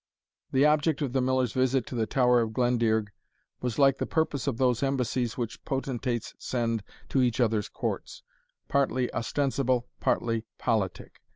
The object of the Miller's visit to the Tower of Glendearg was like the purpose of those embassies which potentates send to each other's courts, partly ostensible, partly politic.